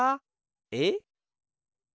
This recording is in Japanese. えっ？